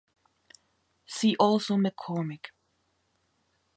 See also McCormick.